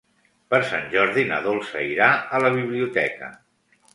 Per Sant Jordi na Dolça irà a la biblioteca.